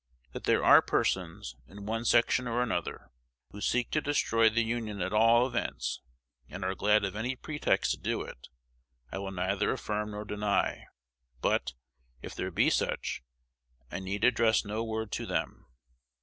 That there are persons, in one section or another, who seek to destroy the Union at all events, and are glad of any pretext to do it, I will neither affirm nor deny. But, if there be such, I need address no word to them.